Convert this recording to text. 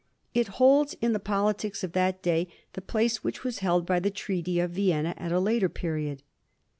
It holds in the politics of that day the place which was held by the Treaty of Vienna at a later period.